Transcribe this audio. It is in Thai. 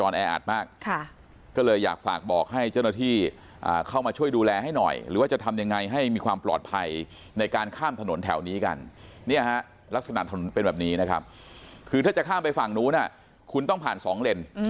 เนี่ยฮะลักษณะถนนเป็นแบบนี้นะครับคือถ้าจะข้ามไปฝั่งนู้นคุณต้องผ่านสองเล่น